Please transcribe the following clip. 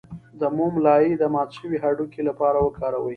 د موم لایی د مات شوي هډوکي لپاره وکاروئ